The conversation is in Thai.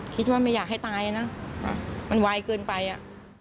คิดว่าไม่อยากให้ตายนะมันไวเกินไปอ่ะ